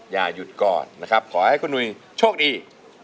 อย่าหยุดก่อนนะครับขอให้คุณหุยโชคดี